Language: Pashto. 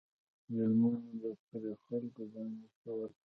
ظلمونه به پر خلکو باندې کول.